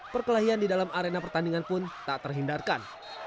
perkelahian di dalam arena pertandingan pun tak terhindarkan